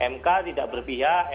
mk tidak berpihak